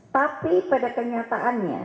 tapi pada kenyataannya